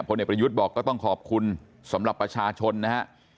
เด็กประยุทธ์บอกก็ต้องขอบคุณสำหรับประชาชนนะฮะ